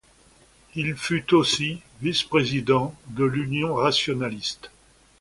Il fut aussi vice-président de l'Union rationaliste.